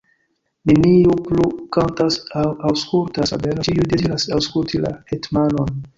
Neniu plu kantas aŭ aŭskultas fabelon, ĉiuj deziras aŭskulti la hetmanon.